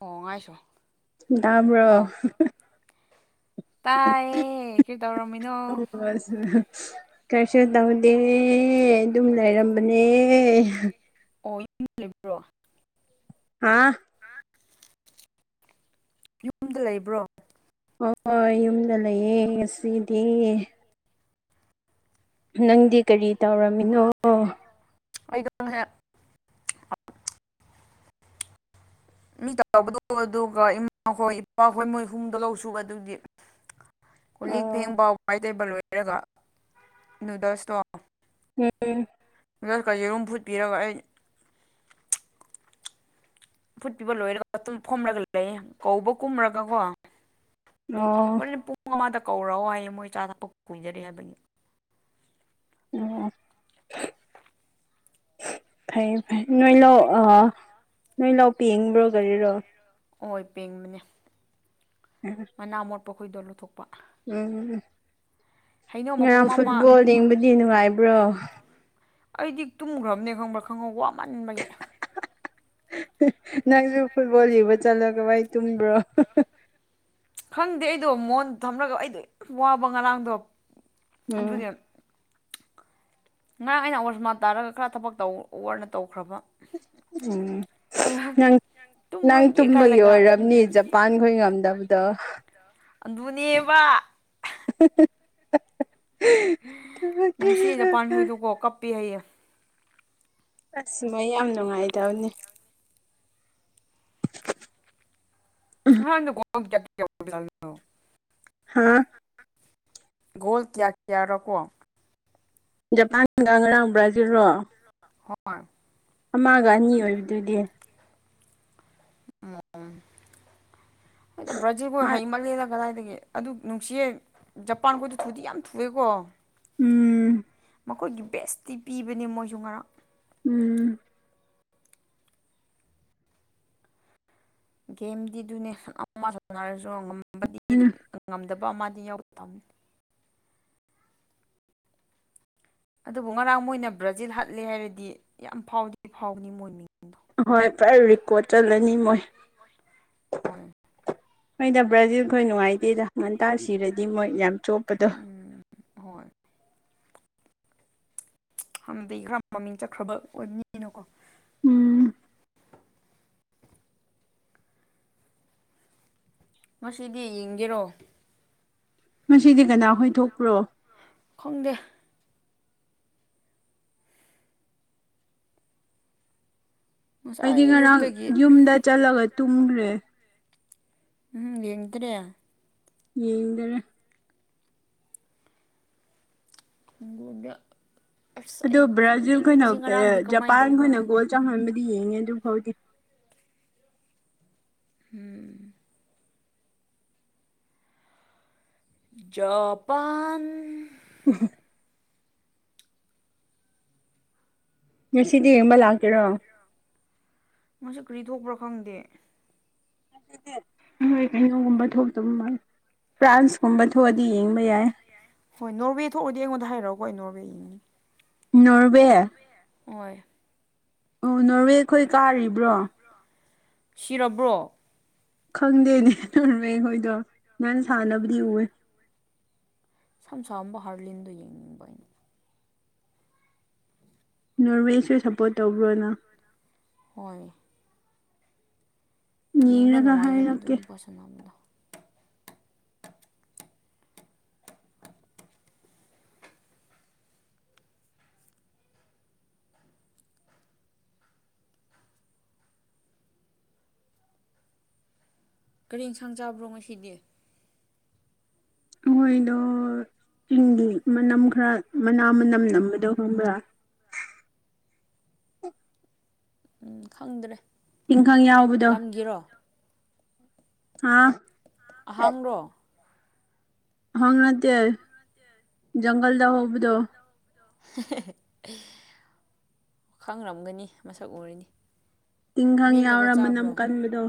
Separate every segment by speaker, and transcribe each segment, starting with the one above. Speaker 1: ꯑꯣ ꯉꯥꯏꯁꯣ
Speaker 2: ꯇꯕ꯭ꯔꯣ
Speaker 1: ꯑꯣ ꯇꯥꯏꯌꯦ ꯀꯩ ꯇꯧꯔꯝꯃꯤꯅꯣ
Speaker 2: ꯀꯔꯤꯁꯨ ꯇꯧꯗꯦ
Speaker 1: ꯑꯗꯨꯝ
Speaker 2: ꯑꯗꯨꯝ ꯂꯩꯔꯝꯕꯅꯦ
Speaker 1: ꯑꯣꯏꯂꯤꯕ꯭ꯔꯣ
Speaker 2: ꯑꯥ
Speaker 1: ꯌꯨꯝꯗ ꯂꯩꯕ꯭ꯔꯣ
Speaker 2: ꯍꯣꯏ ꯍꯣꯏ ꯌꯨꯝꯗ ꯂꯩꯌꯦ ꯉꯁꯤꯗꯤꯌꯦ ꯅꯪꯗꯤ ꯀꯔꯤ ꯇꯧꯔꯝꯃꯤꯅꯣ
Speaker 1: ꯑꯩ ꯀꯝ ꯍꯦꯛ ꯃꯤ ꯇ ꯂꯧꯕꯗꯣ ꯑꯗꯨꯒ ꯏꯃꯥ ꯍꯣꯏ ꯏꯄꯥꯍꯣꯏ ꯃꯣꯏ ꯍꯨꯝꯗꯣ ꯂꯧꯁꯨ ꯑꯗꯨꯗꯤ ꯀꯂꯤꯛ ꯚꯦꯡꯕꯥꯎ ꯋꯥꯏ ꯇꯩꯕ ꯂꯣꯏꯔꯒ ꯅꯨꯗꯜꯁ ꯇꯣ
Speaker 2: ꯎꯝ
Speaker 1: ꯑꯗ ꯀꯖꯤꯔꯨꯝ ꯐꯨꯠꯄꯤꯔꯒ ꯑꯩ ꯐꯨꯠꯄꯤꯤꯕ ꯂꯣꯏꯔꯒꯨꯝ ꯐꯣꯝꯂꯒ ꯂꯩ ꯀꯧꯕ ꯀꯨꯝꯔꯒꯀꯣ
Speaker 2: ꯑꯣ
Speaker 1: ꯍꯣꯔꯅ ꯄꯨꯡ ꯉ ꯑꯃꯥꯗ ꯀꯧꯔꯛꯑꯣ ꯍꯥꯏꯌꯦ ꯃꯣꯏ ꯆꯥ ꯊꯛꯄ ꯀꯨꯏꯖꯔꯤꯦ ꯍꯥꯏꯕꯅꯤ
Speaker 2: ꯑꯣ ꯐꯩ ꯐꯩ ꯅꯣꯏ ꯂꯥꯛ ꯑ ꯅꯣꯏ ꯂꯥꯛ ꯄ ꯌꯦꯡꯕ꯭ꯔꯣ ꯀꯔꯤꯔꯣ
Speaker 1: ꯑꯣꯏ ꯄꯦꯡꯕꯅꯤ
Speaker 2: [unintelligible]
Speaker 1: ꯑꯩꯈꯣꯏꯗꯣ ꯂꯧꯊꯣꯛꯄ
Speaker 2: ꯎꯝ
Speaker 1: ꯍꯩꯅꯧ ꯃꯄꯣꯝ ꯑꯃ
Speaker 2: ꯉꯔꯥꯡꯐꯨꯠꯕꯣꯜ ꯌꯦꯡꯕꯨꯗꯤ ꯅꯨꯡꯉꯥꯏꯕ꯭ꯔꯣ
Speaker 1: ꯑꯩꯗꯤ ꯇꯨꯝꯈ꯭ꯔꯕꯅꯦ ꯈꯪꯕ꯭ꯔꯥ ꯈꯪꯉꯧ ꯋꯥꯃꯟꯕꯒꯤ
Speaker 2: ꯅꯪꯁꯨ ꯐꯨꯠꯕꯣꯜ ꯌꯕ ꯆꯠꯂꯒ ꯚꯥꯏ ꯇꯨꯝꯕ꯭ꯔꯣ
Speaker 1: ꯈꯪꯗꯦ ꯑꯩꯗꯣ ꯃꯣꯟ ꯊꯝꯂꯒ ꯑꯩꯗꯣ ꯌꯥꯝ ꯋꯥꯕ ꯉꯔꯥꯡꯗꯣ
Speaker 2: ꯎꯝ
Speaker 1: ꯑꯗꯨꯒ ꯉꯔꯥꯡ ꯑꯩꯅ ꯑꯣꯔꯖꯃꯥ ꯇꯥꯔꯒ ꯈꯔ ꯊꯕꯛ ꯑꯣꯅ ꯇꯧꯈ꯭ꯔꯕ
Speaker 2: ꯎꯝ
Speaker 1: ꯑꯗ
Speaker 2: ꯅꯪ ꯅꯪ
Speaker 1: ꯇꯨꯝꯔꯣꯏꯒꯦ
Speaker 2: ꯇꯨꯝꯕꯒꯤ
Speaker 1: ꯈꯜꯂꯒ
Speaker 2: ꯑꯣꯏꯔꯕꯅꯤ ꯖꯄꯥꯟ ꯈꯣꯏ ꯉꯝꯗꯕꯗꯣ
Speaker 1: ꯑꯗꯨꯅꯦꯕ ꯅꯨꯡꯁꯤ ꯖꯄꯥꯟ ꯍꯨꯏꯗꯣꯀꯣ
Speaker 2: [unintelligible]
Speaker 1: ꯀꯞꯄꯦ ꯍꯥꯏꯌꯦ
Speaker 2: ꯑꯁ ꯃꯣꯏ ꯌꯥꯝ ꯅꯨꯡꯉꯥꯏꯗꯕꯅꯦ
Speaker 1: [unintelligible]
Speaker 2: ꯍꯥꯥ
Speaker 1: ꯀꯣꯜ ꯀꯌꯥ ꯀꯌꯥꯔꯀꯣ
Speaker 2: ꯖꯄꯥꯟ ꯒꯥ ꯉꯔꯥꯡ ꯕ꯭ꯔꯥꯖꯤꯜ ꯔꯣ
Speaker 1: ꯍꯣꯏ
Speaker 2: ꯑꯃꯒ ꯑꯅꯤ ꯑꯣꯏꯕꯗꯨꯗꯤ
Speaker 1: ꯕ꯭ꯔꯖꯤꯜꯕꯨ
Speaker 2: ꯍꯥ
Speaker 1: ꯍꯩꯃꯜ ꯂꯦꯗꯥ ꯀꯗꯥꯌꯗꯒꯤ ꯑꯗꯨ ꯅꯨꯡꯁꯤꯌꯦ ꯖꯄꯥꯟꯈꯣꯏꯗ ꯊꯨꯗꯤ ꯌꯥꯝ ꯊꯨꯑꯦꯀꯣ
Speaker 2: ꯎꯝ
Speaker 1: ꯑꯩꯈꯣꯏꯒꯤ ꯕꯦꯁꯇꯤ ꯄꯤꯕꯅꯦ ꯃꯣꯏꯁꯨ ꯉꯔꯥꯡ
Speaker 2: ꯎꯝ
Speaker 1: ꯒꯦꯝꯗꯤ ꯑꯗꯨꯅꯦ ꯍꯥꯏꯔꯁꯨ ꯉꯝꯕꯗꯤ ꯑꯗꯨꯝ ꯉꯝꯗꯕ [unintelligible] ꯑꯗꯨꯕꯨ ꯉꯔꯥꯡ ꯃꯣꯏꯅ ꯕ꯭ꯔꯥꯖꯤꯜ ꯍꯥꯠꯂꯦ ꯍꯥꯏꯔꯗꯤ ꯌꯥꯝ ꯐꯥꯎꯗꯤ ꯐꯥꯎꯅꯤ ꯃꯣꯏ ꯃꯤ
Speaker 2: ꯄꯨꯔ ꯔꯦꯀꯣꯔꯠ ꯆꯠꯂꯅꯤ ꯃꯣꯏ
Speaker 1: ꯍꯣꯏ
Speaker 2: ꯑꯩꯣꯏꯅ ꯕ꯭ꯔꯥꯖꯤꯜ ꯈꯣꯏ ꯅꯨꯡꯉꯥꯏꯇꯦꯗ ꯉꯟꯇꯥꯛ ꯁꯤꯔꯗꯤ ꯃꯣꯏ ꯌꯥꯝ ꯆꯣꯄꯗ
Speaker 1: ꯎꯝ ꯍꯣꯏ ꯍꯅꯗꯤ ꯈꯔ ꯃꯃꯤꯡ ꯆꯠꯈ꯭ꯔꯕ ꯑꯣꯏꯕꯅꯤꯅꯀꯣ
Speaker 2: ꯎꯝ
Speaker 1: [unintelligible] ꯉꯁꯤꯗꯤ ꯌꯦꯡꯒꯦꯔꯣ
Speaker 2: ꯉꯗꯤ ꯀꯅꯥ ꯍꯊꯣꯛꯄ꯭ꯔꯣ
Speaker 1: ꯈꯪꯗꯦ
Speaker 2: ꯑꯩꯗꯤ
Speaker 1: ꯉꯁꯥꯏ
Speaker 2: ꯉꯔꯥꯡ
Speaker 1: ꯑꯌꯨꯛꯇꯒꯤ
Speaker 2: ꯌꯨꯝꯗ ꯆꯠꯂꯒ ꯇꯨꯝꯈ꯭ꯔꯦ
Speaker 1: ꯎꯝ ꯌꯦꯡ ꯇ꯭ꯔ
Speaker 2: ꯌꯦꯗ꯭ꯔ
Speaker 1: ꯒ [inaudible]
Speaker 2: ꯑꯗꯨꯣ ꯕ꯭ꯔꯥꯖꯤꯜꯈꯣꯏꯅ
Speaker 1: ꯀꯃꯥꯏꯅ
Speaker 2: ꯖꯄꯥꯟ
Speaker 1: ꯇꯧꯕ꯭ꯔꯥ
Speaker 2: ꯈꯣꯏꯅ
Speaker 1: ꯈꯪꯗꯦ
Speaker 2: ꯒꯣꯜ ꯆꯥꯎꯪꯍꯟꯕꯗꯤ ꯌꯦꯡꯉꯦ ꯑꯗꯨ ꯐꯥꯎꯗꯤ
Speaker 1: ꯎꯝ ꯖꯄꯥꯟ
Speaker 2: ꯎ ꯉꯁꯤꯗꯤ ꯌꯦꯡꯕ ꯂꯥꯛꯀꯦꯔꯣ
Speaker 1: ꯃꯁꯤꯁꯨ ꯀꯔꯤ ꯊꯣꯛꯄ꯭ꯔꯥ ꯈꯪꯗꯦ
Speaker 2: ꯍꯣꯏ ꯀꯩꯅꯣꯒꯨꯝꯕ ꯊꯣꯛꯇꯕ ꯃꯥ ꯐ꯭ꯔꯥꯟꯁꯀꯨꯝꯕ ꯊꯣꯛꯑꯗꯤ ꯌꯦꯡꯕ ꯌꯥꯏ
Speaker 1: ꯑꯩꯣꯏ ꯅꯣꯔꯋꯦꯏꯉꯤ
Speaker 2: ꯅꯣꯔꯋꯦ
Speaker 1: ꯍ
Speaker 2: ꯑꯣ ꯅꯣꯔꯋꯦꯈꯣꯏ ꯀꯥꯔꯤꯕ꯭ꯔꯣ
Speaker 1: ꯁꯤꯔꯕ꯭ꯔꯣ
Speaker 2: ꯈꯪꯗꯦꯅꯦ ꯂꯔꯦ ꯑꯩꯈꯣꯏꯗꯣ ꯅꯪ ꯁꯥꯟꯅꯕꯗꯤ ꯎꯋꯦ
Speaker 1: ꯀ ꯁ ꯑꯃꯝꯕ ꯍꯔꯂꯤꯗꯨ ꯌꯦꯡꯅꯤꯡꯕꯣꯏꯅ
Speaker 2: ꯅꯣꯔꯋꯦꯁꯨ ꯁꯞꯄꯣꯔꯠ ꯇꯧꯕ꯭ꯔꯣꯅ
Speaker 1: ꯍꯣꯏ ꯌꯦꯡꯕ
Speaker 2: ꯌꯦꯡꯔꯒ ꯍꯥꯏꯔꯛꯀꯦ
Speaker 1: ꯅꯨꯡꯉꯥꯏꯌꯦꯕꯗꯨꯅ ꯄꯣꯠꯁꯕꯗꯣ ꯀꯔꯦꯟ ꯁꯥꯡ ꯆꯥꯕ꯭ꯔꯣ ꯉꯁꯤꯗꯤ
Speaker 2: ꯍꯣꯏꯗ ꯆꯤꯡꯒꯤ ꯃꯅꯝ ꯈꯔ ꯃꯅꯥ ꯃꯅꯝ ꯅꯝꯕꯗ ꯈꯪꯕ꯭ꯔꯥ
Speaker 1: ꯎꯝ ꯈꯪꯗ꯭ꯔꯦ
Speaker 2: ꯏꯪꯈꯪ ꯌꯥꯎꯕꯗꯣ
Speaker 1: ꯂꯝꯒꯤꯔꯣ
Speaker 2: ꯑ
Speaker 1: ꯑꯍꯥꯡꯂꯣ
Speaker 2: ꯍꯪꯅꯠꯇꯦ ꯒꯜꯗ ꯍꯕꯗꯨꯣ
Speaker 1: ꯈꯪꯔꯝꯒꯅꯤ ꯃꯁꯛ ꯎꯔꯅꯤ
Speaker 2: ꯏꯪꯈꯪ ꯌꯥꯎꯔ ꯃꯅꯝ ꯀꯟꯕꯗꯣ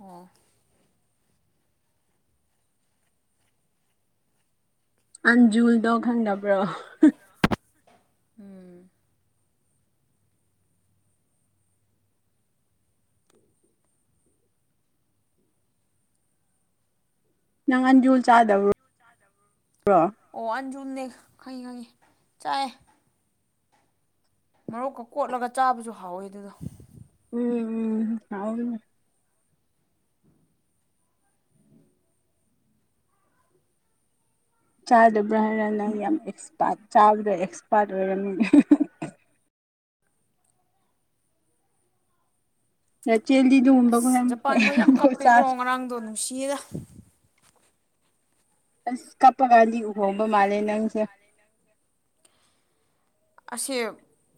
Speaker 1: ꯑꯣ
Speaker 2: ꯑꯟꯖꯨꯜꯗꯣ ꯈꯪꯕ꯭ꯔꯣ
Speaker 1: ꯎꯝ
Speaker 2: ꯅꯥꯟ ꯖꯣꯜ ꯆꯥꯗꯕꯣ
Speaker 1: ꯑꯣ ꯑꯟꯖꯨꯅꯤ ꯈ ꯈꯥꯏ ꯆꯥ ꯃꯔꯣꯛꯀ ꯀꯣꯠꯂꯒ ꯆꯥꯕꯁꯨ ꯍꯥꯎꯋꯦ ꯑꯗꯨꯗ
Speaker 2: ꯎ ꯎꯥꯎ ꯆꯥꯗꯕ꯭ꯔꯥ ꯍꯥꯏꯔ ꯅꯪ ꯌꯥꯝ ꯑꯦꯛꯁꯄꯥꯔꯠ ꯆꯥꯕꯗ ꯑꯦꯛꯁꯄꯥꯔꯠ ꯑꯣꯏꯔꯝꯃꯤ ꯔꯆꯦꯜꯗꯤ ꯑꯗꯨꯒꯨꯝꯕꯒ
Speaker 1: ꯑꯁ
Speaker 2: ꯌꯥꯝ
Speaker 1: ꯖꯄꯥꯟ ꯈꯣꯏ ꯌꯥꯝ ꯀꯞꯄꯦꯀꯣ
Speaker 2: ꯆꯥꯁ
Speaker 1: ꯉꯔꯥꯡꯗꯣ ꯅꯨꯡꯁꯤꯌꯦꯗ
Speaker 2: ꯑꯁ ꯀꯞꯄꯒꯗꯤ ꯎꯍꯣꯡꯕ ꯃꯥꯜꯂꯦ ꯅꯪꯁꯦ
Speaker 1: ꯑꯁꯦ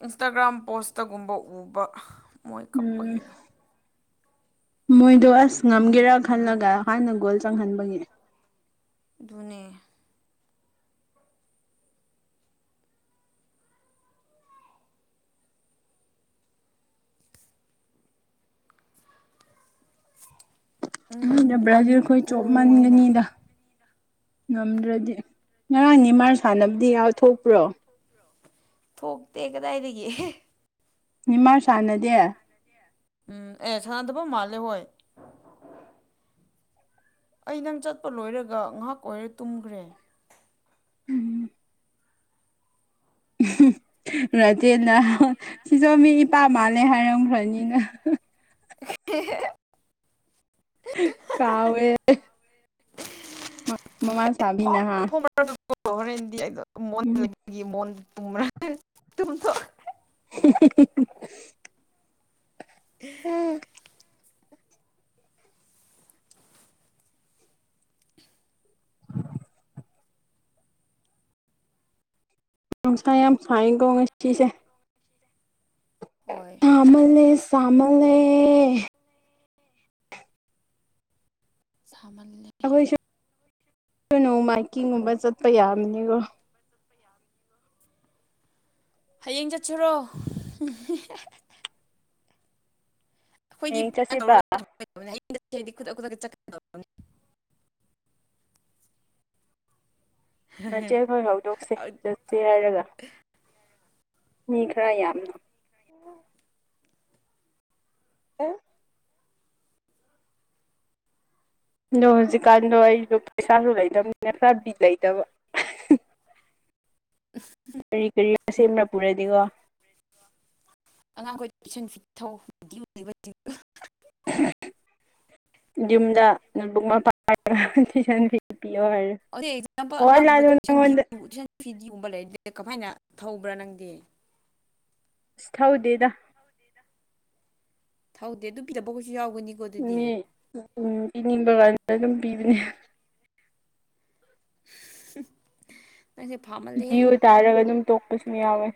Speaker 1: ꯏꯟꯁꯇꯥꯒ꯭ꯔꯥꯝ ꯄꯣꯁꯇꯒꯨꯝꯕ ꯎꯕ ꯃꯣꯏ
Speaker 2: ꯎꯝ
Speaker 1: ꯀꯞꯄꯒꯤꯅ
Speaker 2: ꯃꯣꯏꯗꯣ ꯑꯁ ꯉꯝꯒꯦꯔꯥ ꯈꯜꯂꯒ ꯍꯥꯟꯅ ꯒꯣꯜ ꯆꯪꯍꯟꯕꯒꯤ
Speaker 1: ꯙꯅꯦ ꯎꯝ
Speaker 2: ꯂꯕ꯭ꯔꯥꯗꯤ ꯑꯩꯈꯣꯏ
Speaker 1: ꯑꯅꯨꯛꯀꯨ
Speaker 2: ꯆꯣꯞ
Speaker 1: ꯍꯥꯏꯅ
Speaker 2: ꯃꯟꯒꯅꯤꯗ ꯉꯝꯗ꯭ꯔꯗꯤ ꯉꯔꯥꯡ ꯅꯤ ꯃꯥꯥꯟ ꯁꯥꯟꯅꯕꯗꯤ ꯌꯥꯊꯣꯛꯄ꯭ꯔꯣ
Speaker 1: ꯊꯣꯛꯇꯦ ꯀꯗꯥꯏꯗꯒꯤ
Speaker 2: ꯃꯥ ꯁꯥꯟꯅꯗꯦ
Speaker 1: ꯎꯝ ꯑꯦ ꯁꯥꯟꯅꯗꯕ ꯃꯥꯜꯂꯦ ꯍꯣꯏ ꯑꯩ ꯅꯪ ꯆꯠꯄ ꯂꯣꯏꯔꯒ ꯉꯥꯏꯍꯥꯛ ꯑꯣꯏꯔ ꯇꯨꯝꯈ꯭ꯔꯦ
Speaker 2: ꯎꯝ ꯔꯆꯦꯟꯅ ꯁꯤꯁꯨ ꯃꯤ ꯏꯄꯥ ꯃꯥꯜꯂꯦ ꯍꯥꯏꯔꯝꯈ꯭ꯔꯅꯤꯅ
Speaker 1: ꯍ [unintelligible]
Speaker 2: ꯀꯥꯎꯌꯦ ꯃꯃ
Speaker 1: ꯐꯣꯝ
Speaker 2: ꯁꯥꯕꯤꯅꯍ
Speaker 1: ꯐꯣꯝꯃꯔ ꯍꯣꯔꯦꯟꯗꯤ ꯑꯩꯩꯅꯣ ꯃꯣꯟ ꯂꯩꯕꯒꯤ ꯃꯣꯟ ꯇꯨꯝꯕ꯭ꯔꯥ ꯇꯨꯝꯊꯣꯛ [unintelligible]
Speaker 2: [inaudible]
Speaker 1: [inaudible]
Speaker 2: [inaudible] ꯅꯨꯡꯁꯥ ꯌꯥꯝ ꯁꯥꯏ ꯀꯣ ꯉꯁꯤꯁꯦ
Speaker 1: ꯍꯣꯏ
Speaker 2: ꯇꯃꯜꯂꯦ ꯆꯃꯜꯂꯦ
Speaker 1: ꯁꯃꯜ
Speaker 2: ꯑꯩꯈꯣꯏꯁꯨ ꯅꯣꯡꯃꯥꯏꯀꯤꯡꯒꯨꯝꯕ ꯆꯠꯄ ꯌꯥꯕꯅꯤꯀꯣ
Speaker 1: ꯄ ꯌꯥꯕꯒꯤꯕ [unintelligible] ꯍꯌꯦꯡ ꯆꯠꯁꯤꯔꯣ ꯑꯩꯈꯣꯏꯗꯤ
Speaker 2: ꯍꯌꯦꯡ ꯆꯠꯁꯤꯕ
Speaker 1: [unintelligible] ꯗꯤ ꯈꯨꯗꯛ ꯈꯨꯗ ꯆꯠ ꯀ [unintelligible]
Speaker 2: ꯃꯆꯦꯈꯣꯏ ꯐꯥꯎꯗꯣꯛꯁꯦ ꯆꯠꯁꯦ ꯍꯥꯏꯔꯒ ꯃꯤ ꯈꯔ ꯌꯥꯝꯅ ꯑ ꯑꯗꯣ ꯍꯧꯖꯤꯛꯀꯥꯟꯗꯣ ꯑꯩꯁꯨꯣ ꯄꯩꯁꯥꯁꯨ ꯂꯩꯗꯕꯅꯤꯅ ꯈꯔ ꯕꯤꯠ ꯂꯩꯇꯕ ꯀꯔꯤ ꯀꯔꯤ ꯁꯦꯝꯅ ꯄꯨꯔꯗꯤꯒꯣ
Speaker 1: ꯑꯉꯥꯡꯈꯣꯏ [unintelligible]
Speaker 2: ꯌꯨꯝꯗ [unintelligible]
Speaker 1: ꯨꯟ ꯐꯤ ꯗꯤꯒꯨꯝꯕ ꯂꯩ ꯀꯃꯥꯏꯅ ꯊꯧꯕ꯭ꯔꯥ ꯅꯪꯗꯤ
Speaker 2: ꯑꯁ ꯊꯧꯗꯦꯗ
Speaker 1: ꯊꯧꯗꯦ ꯑꯗꯨ [unintelligible] ꯑꯗꯨꯗꯤ
Speaker 2: ꯄꯤꯅꯤꯡꯕ ꯀꯥꯏꯅ ꯑꯗꯨꯝ ꯄꯤꯕꯅꯦ
Speaker 1: [inaudible] ꯐꯥꯃꯜꯂꯦꯍꯦ
Speaker 2: ꯖꯤꯌ ꯇꯥꯔꯒ ꯑꯗꯨꯝ ꯇꯣꯛꯄꯁꯨ ꯌꯥꯎꯋꯦ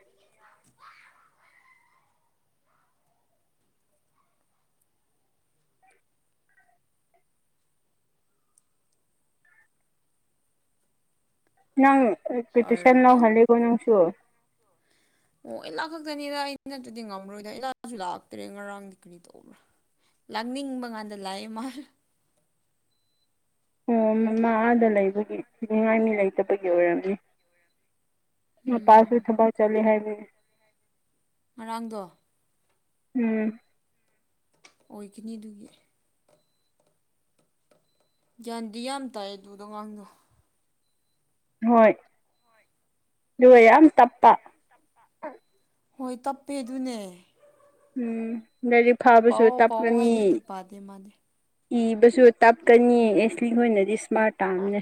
Speaker 2: ꯅꯪ ꯄꯤ ꯇꯨꯁꯟ ꯂ
Speaker 1: ꯍꯔꯂꯦꯟ
Speaker 2: ꯍꯂꯦꯒꯣ ꯅꯪꯁꯨ
Speaker 1: ꯑꯣ ꯏꯂꯥ ꯈꯛꯇꯅꯤꯗ ꯑ ꯅꯠꯇꯗꯤ ꯉꯝꯃꯣꯏꯗ ꯏꯂꯥꯁꯨ ꯂꯥꯛꯇ꯭ꯔꯦ ꯉꯔꯥꯡꯗꯤ ꯀꯔꯤ ꯇꯧꯕ꯭ꯔꯥ ꯂꯥꯛꯅꯤꯡꯕ ꯀꯥꯟꯗ ꯂꯥꯛꯑꯦ ꯃꯥ
Speaker 2: ꯑꯣ ꯃꯃ ꯑꯥꯗ ꯂꯩꯕꯒꯤ ꯊꯤꯅꯤꯡꯉꯥꯏ ꯃꯤ ꯂꯩꯇꯕꯒꯤ ꯑꯣꯏꯔꯝꯅꯤ
Speaker 1: ꯎꯝ
Speaker 2: ꯃꯄꯥꯁꯨ ꯊꯕꯛ ꯆꯠꯂꯦ ꯍꯥꯏꯅꯦ
Speaker 1: ꯉꯥꯔꯡꯗꯣ
Speaker 2: ꯎꯝ
Speaker 1: ꯑꯣꯏꯒꯅꯤ ꯑꯗꯨꯒꯤ ꯒ꯭ꯌꯥꯟꯗꯤ ꯌꯥꯝ ꯇꯥꯏ ꯑꯗꯨꯗꯣ ꯉꯥꯡꯗꯣ
Speaker 2: ꯍꯣꯏ ꯑꯗꯨꯒ ꯌꯥꯝ ꯇꯞꯄ
Speaker 1: ꯍꯣꯏ ꯇꯞꯄꯦ ꯑꯗꯨꯅꯦ
Speaker 2: ꯎꯝ ꯂꯥꯏꯔꯤꯛ ꯐꯥꯕꯁꯨ
Speaker 1: ꯄꯥꯎꯑꯣ ꯄꯥꯎꯑꯣ
Speaker 2: ꯇꯞꯀꯅꯤ
Speaker 1: ꯍꯥꯏꯗ꯭ꯔꯗꯤ ꯄꯥꯗꯦ ꯃꯥꯗꯤ
Speaker 2: ꯏꯕꯁꯨ ꯇꯞꯀꯅꯤ ꯑꯦꯁꯂꯤꯣꯏ ꯑꯣꯏꯅꯗꯤ ꯏꯁꯃꯥꯔꯠ ꯇꯥꯅꯦ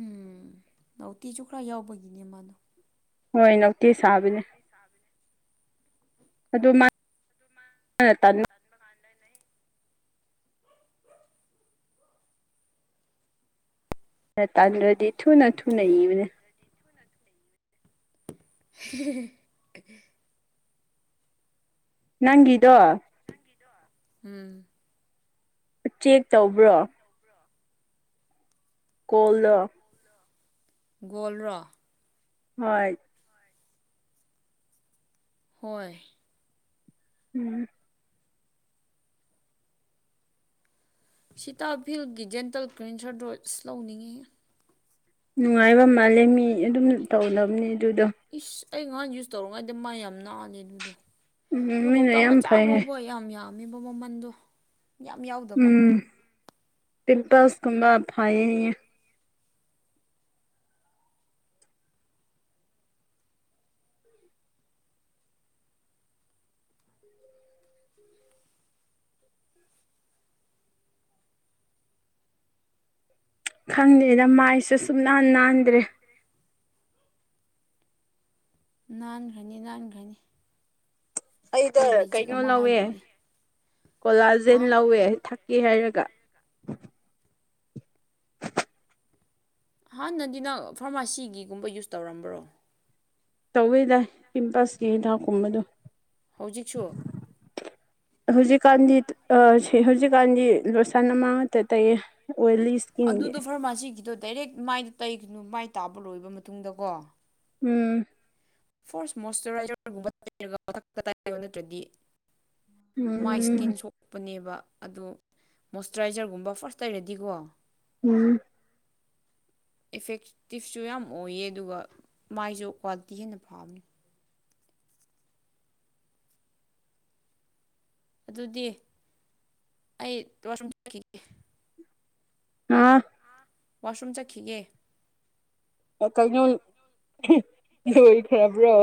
Speaker 1: ꯎꯝ ꯅꯥꯎꯇꯤꯁꯨ ꯈꯔ ꯌꯥꯎꯕꯒꯤꯅꯦ ꯃꯥꯗꯣ
Speaker 2: ꯍꯣꯏ ꯅꯥꯎꯇꯤ ꯁꯥꯕꯅꯦ ꯑꯗꯨ ꯃꯥ ꯇ [unintelligible] ꯇꯥꯜꯗ꯭ꯔꯗꯤ ꯊꯨ ꯅ ꯊꯨ ꯅ ꯏꯕꯅꯦ
Speaker 1: [inaudible]
Speaker 2: ꯅꯪꯒꯤꯗꯣ
Speaker 1: ꯎꯝ
Speaker 2: ꯆꯦꯛ ꯇꯧꯕ꯭ꯔꯣ ꯀꯣꯜꯗ
Speaker 1: ꯒꯣꯜ꯭ꯔꯣ
Speaker 2: ꯍꯣꯏ
Speaker 1: ꯍꯣꯏ
Speaker 2: ꯎꯝ
Speaker 1: ꯁꯤꯇꯥ ꯐꯤꯜꯒꯤ ꯖꯦꯟꯇꯦꯜ ꯀ꯭ꯦꯟꯁꯔ ꯗꯣꯏꯁ ꯂꯧꯅꯤꯡꯏꯤ
Speaker 2: ꯅꯨꯡꯉꯥꯏꯕ ꯃꯥꯜꯂꯦ ꯃꯤ ꯑꯗꯨꯝ ꯇꯧꯅꯕꯅꯦ ꯑꯗꯨꯗꯣ
Speaker 1: ꯏꯁ ꯑꯩ ꯉꯍꯥꯟ ꯌꯨꯁ ꯇꯧꯔꯤꯉꯥꯏꯗ ꯃꯥ ꯌꯥꯝ ꯅꯥꯜꯂꯦ ꯑꯗꯨꯗꯣ
Speaker 2: ꯎꯝ
Speaker 1: ꯑꯗꯨ
Speaker 2: ꯃꯤꯅ
Speaker 1: ꯀꯧꯇꯥꯥꯛ
Speaker 2: ꯌꯥꯝ
Speaker 1: ꯃꯆꯥ
Speaker 2: ꯐꯩ ꯍꯥꯏ
Speaker 1: ꯐꯥꯎꯕ ꯌꯥꯝ ꯌꯥꯝ ꯄꯝꯃꯤꯕ ꯃꯃꯟꯗꯣ ꯌꯥꯝ ꯌꯥꯎꯗꯕ
Speaker 2: ꯄꯤꯟꯄꯥꯁꯀꯨꯝꯕ ꯍꯥꯏꯑ ꯈꯪꯗ꯭ꯦꯅ ꯃꯥꯏꯁꯨ ꯁꯨ ꯅꯥꯟ ꯅꯥꯟꯗ꯭ꯔꯦ
Speaker 1: ꯅꯥꯟꯈ꯭ꯔꯅꯤ ꯅꯥꯟꯈꯅꯤ
Speaker 2: ꯑꯩꯗ ꯀꯩꯅꯣ ꯂꯧꯋꯦ
Speaker 1: ꯍꯥꯏꯕꯤꯒꯦ ꯍꯥ
Speaker 2: ꯀꯣꯂꯥꯖꯦꯟ ꯂꯧꯋꯦ ꯊꯛꯀꯦ ꯍꯥꯏꯔꯒ ꯀ
Speaker 1: ꯍꯥꯟꯅꯗꯤ ꯅꯪ ꯐꯥꯔꯃꯥꯁꯤꯒꯤꯒꯨꯝꯕ ꯌꯨꯁ ꯇꯧꯔꯝꯕ꯭ꯔꯣ
Speaker 2: ꯇꯧꯋꯤ ꯗꯥꯏ ꯄꯤꯝꯄꯜꯁꯀꯤ ꯍꯤꯗꯥꯛ ꯀꯨꯝꯕꯗꯣ
Speaker 1: ꯍꯧꯖꯤꯛꯁꯨ
Speaker 2: ꯍꯧꯖꯤꯛꯀꯥꯟꯗꯤ ꯁꯤ ꯍꯧꯖꯤꯛꯀꯥꯟꯗꯤ ꯂꯣꯏꯁꯥꯟꯅ ꯑꯃꯇ ꯇꯌꯦ ꯑꯣꯏꯂꯤ ꯏꯁ꯭ꯀꯤꯟꯒ
Speaker 1: ꯑꯗꯨꯗꯣ ꯐꯥꯔꯃꯥꯁꯤꯒꯤꯗꯣ ꯗꯥꯏꯔꯦꯛ ꯃꯥꯏꯗ ꯇꯩꯒꯅꯨ ꯃꯥꯏ ꯇꯥꯕ ꯂꯣꯏꯕ ꯃꯇꯨꯡꯗꯀꯣ
Speaker 2: ꯎꯝ
Speaker 1: ꯐꯣꯔꯁꯔꯒꯨꯝꯊ ꯅꯠꯇ꯭ꯔꯗꯤ ꯃꯥꯏ
Speaker 2: ꯎꯝ
Speaker 1: ꯏꯁꯀꯤꯟ ꯁꯣꯛꯄꯅꯦꯕ ꯑꯗꯣ ꯃꯣꯏꯆꯔꯥꯏꯖꯔꯒꯨꯝꯕ ꯐꯥꯔꯁ ꯂꯩꯔꯗꯤꯀꯣ
Speaker 2: ꯎꯝ
Speaker 1: ꯏꯐꯦꯛꯇꯤꯞꯁꯨ ꯌꯥꯝ ꯑꯣꯏꯌꯦ ꯑꯗꯨꯒ ꯃꯥꯏꯁꯨ ꯀ꯭ꯋꯥꯂꯤꯇꯤ ꯍꯦꯟꯅ ꯄ ꯊꯥꯃꯤ ꯑꯗꯨꯗꯤ ꯑꯩꯨꯝꯈꯤꯒꯦ
Speaker 2: ꯑꯥ
Speaker 1: ꯋꯥꯁꯔꯨꯝ ꯆꯠꯈꯤꯒꯦ
Speaker 2: ꯀꯣ ꯂꯣꯏꯈ꯭ꯔꯕ꯭ꯔꯣ